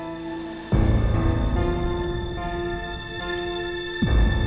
tapi kan ini bukan arah rumah